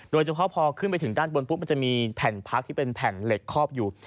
โดยเฉพาะพอขึ้นไปถึงด้านบนปุ๊บมันจะมีแผ่นพักที่เป็นแผ่นเหล็กคอบอยู่